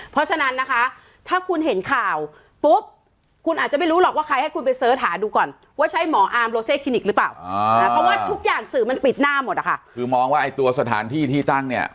ปิดหน้าหมดอ่ะค่ะคือมองว่าไอ้ตัวสถานที่ที่ตั้งเนี้ย